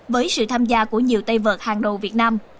với sự tham gia của nhiều tay vật hàng đầu việt nam